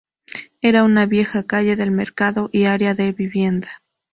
Era una vieja calle del mercado y área de vivienda.